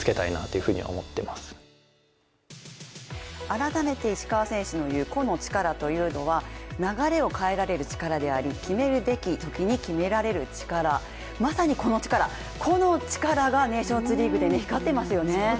改めて石川選手の個の力というのは流れを変えられる力であり決めるべきときに決められる力、まさに個の力、個の力がネーションズリーグで光ってますよね。